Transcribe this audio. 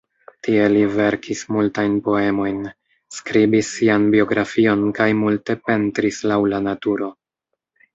Tie li verkis multajn poemojn, skribis sian biografion kaj multe pentris laŭ la naturo.